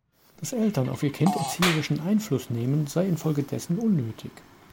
Dass Eltern auf ihr Kind erzieherischen Einfluss nehmen, sei infolgedessen unnötig.